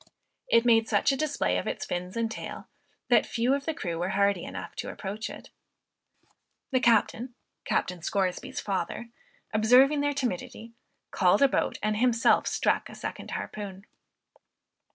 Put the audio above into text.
It made such a display of its fins and tail, that few of the crew were hardy enough to approach it. The captain, (Captain Scoresby's father,) observing their timidity, called a boat, and himself struck a second harpoon.